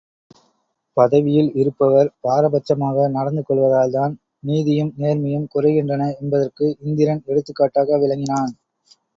பதவியில் இருப்பவர் பாரபட்சமாக நடந்து கொள்வதால்தான் நீதியும் நேர்மையும் குறைகின்றன என்பதற்கு இந்திரன் எடுத்துக் காட்டாக விளங்கினான்.